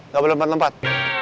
gak boleh lompat lompat